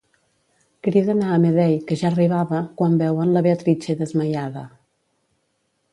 Criden a Amedei, que ja arribava, quan veuen la Beatrice desmaiada.